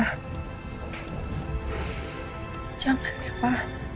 jangan ya pa